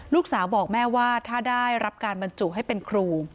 ลูกสาวบอกแม่ว่าถ้าได้รับการบรรจุให้เป็นครู